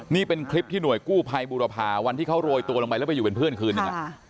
นี่เป็นคลิปที่หน่วยกู้ภัยบูรพาวันที่เขาโรยตัวลงไปแล้วไปอยู่เป็นเพื่อนคืนนึง